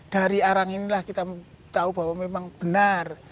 dari arang inilah kita tahu bahwa memang benar